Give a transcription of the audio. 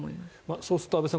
そうすると安部さん